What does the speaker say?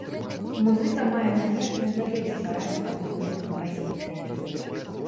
Музыка мае намер і надалей ствараць падобныя кампазіцыі.